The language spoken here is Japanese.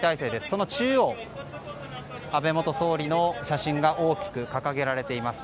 その中央に安倍元総理の写真が大きく掲げられています。